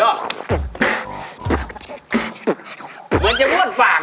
เหมือนจะว่นฟากอะ